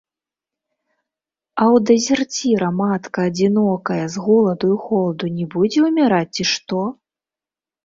А ў дэзерціра матка адзінокая з голаду і холаду не будзе ўміраць, ці што?